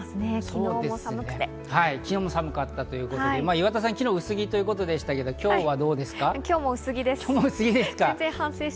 昨日も寒かったということで、岩田さん、昨日は薄着ということでしたが今日は？